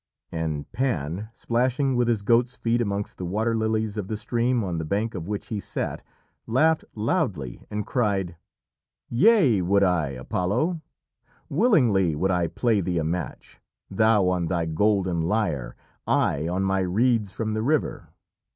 And Pan, splashing with his goat's feet amongst the water lilies of the stream on the bank of which he sat, laughed loudly and cried: "Yea, would I, Apollo! Willingly would I play thee a match thou on thy golden lyre I on my reeds from the river."